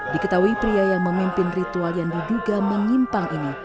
diketahui pria yang memimpin ritual yang diduga menyimpang ini